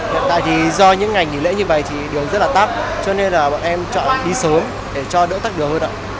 hiện tại thì do những ngành lễ như vậy thì đường rất là tắp cho nên là bọn em chọn đi sớm để cho đỡ tắc đường hơn ạ